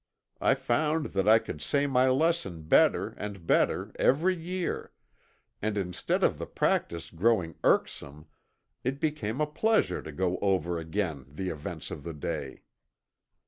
I found that I could say my lessons better and better every year, and instead of the practice growing irksome, it became a pleasure to go over again the events of the day.